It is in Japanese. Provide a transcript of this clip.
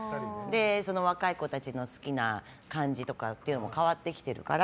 若い子たちの好きな感じとかっていうのも変わってきてるから